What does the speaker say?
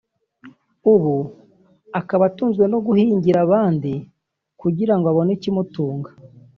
ubu akaba atunzwe no guhingira abandi kugira ngo abone ikimutunga